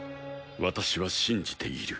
私は信じている。